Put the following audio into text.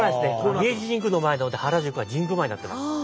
明治神宮の前なので原宿は神宮前になってます。